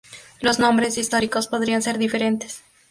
Los nombres históricos podrían ser diferentes.